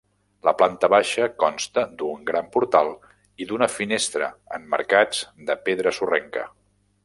La planta baixa consta d'un gran portal i d'una finestra emmarcats de pedra sorrenca.